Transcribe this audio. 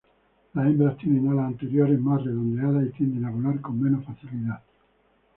Las hembras tienen alas anteriores más redondeadas y tienden a volar con menos facilidad.